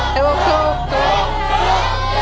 ถูกถูกถูก